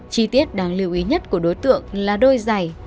chi tiết đáng lưu ý nhất của đối tượng là đôi giày